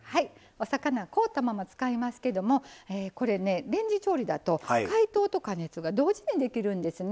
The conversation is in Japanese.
お魚、凍ったままやりますけどレンジ調理だと解凍と加熱が同時にできるんですね。